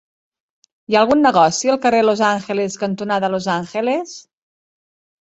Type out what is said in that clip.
Hi ha algun negoci al carrer Los Angeles cantonada Los Angeles?